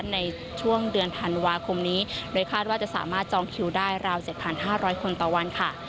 ในช่วงเดือนธันวาคมนี้โดยคาดว่าจะสามารถจองคิวได้ราว๗๕๐๐คนต่อวันค่ะ